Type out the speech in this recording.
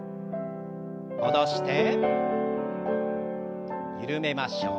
戻して緩めましょう。